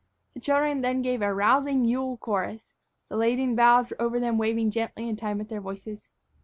The children then gave a rousing Yule chorus, the laden boughs over them waving gently in time with their voices.